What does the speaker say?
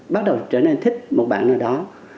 bắt đầu trở nên thích một bạn nào đó